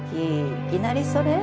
いきなりそれ？